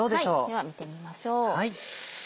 では見てみましょう。